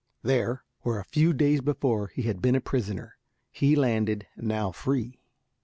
There, where a few days before he had been a prisoner, he landed, now free.